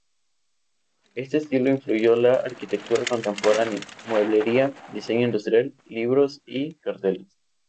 Este estilo influyó la arquitectura contemporánea, mueblería, diseño industrial, libros y carteles.